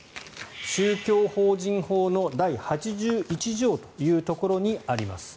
宗教法人法の第８１条というところにあります。